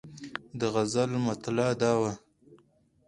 د غزل مطلع دا وه.